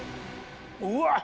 うわっ！